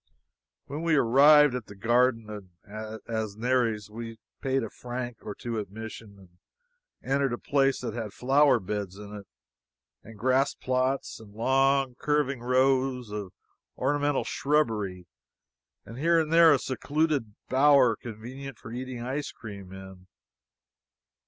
When we arrived at the garden in Asnieres, we paid a franc or two admission and entered a place which had flower beds in it, and grass plots, and long, curving rows of ornamental shrubbery, with here and there a secluded bower convenient for eating ice cream in.